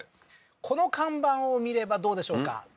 この看板を見ればどうでしょうか？